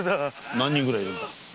何人ぐらいいるんだ？